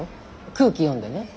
空気読んでね。